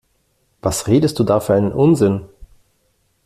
Was redest du da für einen Unsinn?